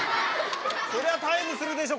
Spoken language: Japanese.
これはタイムするでしょ